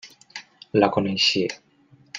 La coneixia.